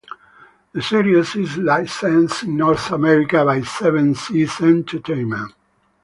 The series is licensed in North America by Seven Seas Entertainment.